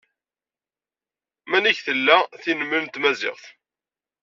Mani g tella tinmel n tmaziɣt?